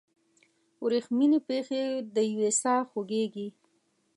وریښمینې پښې دیوې ساه خوږیږي